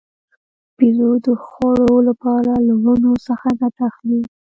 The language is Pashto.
بیزو د خوړو لپاره له ونو څخه ګټه اخلي.